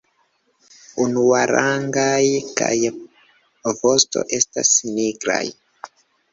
Unuarangaj kaj vosto estas nigraj.